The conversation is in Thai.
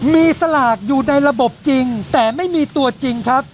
มีสลากอยู่ในระบบจริงแต่ไม่มีตัวจริงครับ